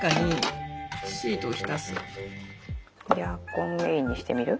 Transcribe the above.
ヤーコンメインにしてみる？